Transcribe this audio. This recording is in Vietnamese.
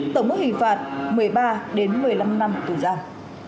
tổng mức hình phạt là một mươi ba một mươi năm năm tù giam